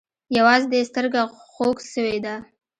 يوازې دې سترگه خوږ سوې ده.